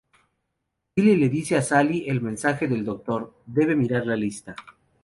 Billy le dice a Sally el mensaje del Doctor: debe mirar la lista.